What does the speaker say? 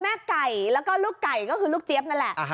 แม่ไก่แล้วก็ลูกไก่ก็คือลูกเจี๊ยบนั่นแหละ